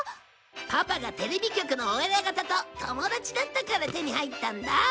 パパがテレビ局のお偉方と友達だったから手に入ったんだ。